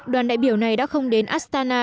đoàn đại biểu này đã không đến astana